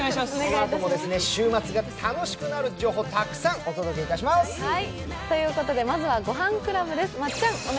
このあとも週末が楽しくなる情報をたくさんお届けします！ということで、まずは「ごはんクラブ」です。